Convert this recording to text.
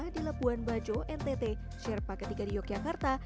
di labuan bajo ntt sherpa ke tiga di yogyakarta